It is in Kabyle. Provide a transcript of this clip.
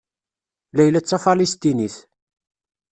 Layla d Tafalesṭinit.